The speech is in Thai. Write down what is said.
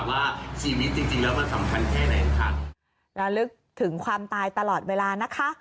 ว่าชีวิตจริงจริงแล้วมันสำคัญแค่ไหนค่ะระลึกถึงความตายตลอดเวลานะคะ